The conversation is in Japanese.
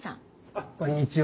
あっこんにちは。